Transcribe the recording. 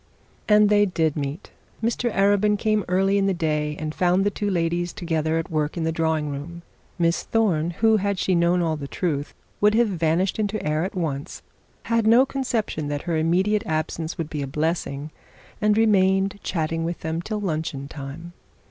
And they did meet. Mr Arabin came early in the day, and found the two ladies together at work in the drawing room. Miss Thorne, who had she known all the truth would have vanished into air at once, had no conception that her immediate absence would be a blessing, and remained chatting with them till luncheon time.